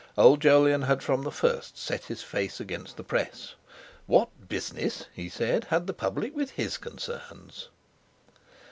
Old Jolyon had from the first set his face against the Press. What business—he said—had the Public with his concerns!